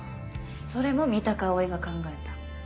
それも三鷹蒼が考えた？